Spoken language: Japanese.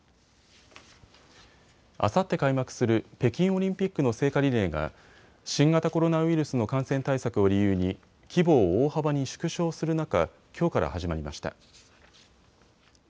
あさって開幕する北京オリンピックの聖火リレーが新型コロナウイルスの感染対策を理由に規模を大幅に縮小する中、きょうから始まりました。